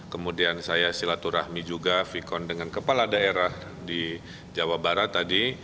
kemudian saya silaturahmi juga vkon dengan kepala daerah di jawa barat tadi